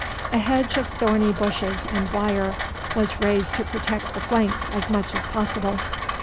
A hedge of thorny bushes and wire was raised to protect the flanks as much as possible.